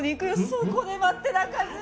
そこで待ってな和恵！